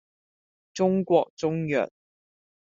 中國中藥